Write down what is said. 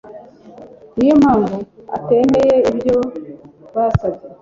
Niyo mpamvu atemeye ibyo basabye